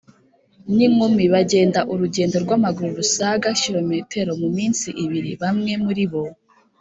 n’inkumi ; bagenda urugendo rw’amaguru rusaga km mu minsi ibiri. bamwe muri bo